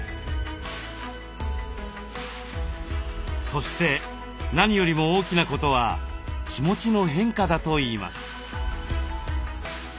そして何よりも大きなことは気持ちの変化だといいます。